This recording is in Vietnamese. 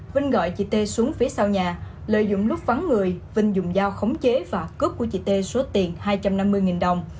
vinh gọi chị t xuống phía sau nhà lợi dụng lúc vắng người vinh dùng dao khống chế và cướp của chị t số tiền hai trăm năm mươi đồng